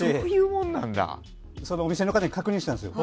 そのお店の方に確認したんですよ。